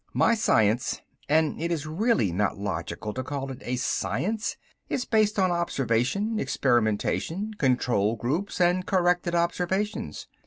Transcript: My science and it is really not logical to call it a science is based on observation, experimentation, control groups and corrected observations.